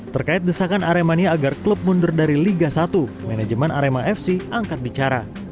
terkait desakan aremania agar klub mundur dari liga satu manajemen arema fc angkat bicara